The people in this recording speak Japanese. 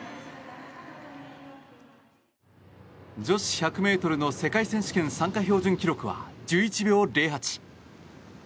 女子１００ｍの世界選手権参加標準記録は１１秒０８。